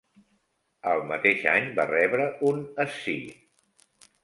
El mateix any va rebre un Sci.